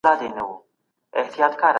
د خپلواکۍ قدر وکړئ.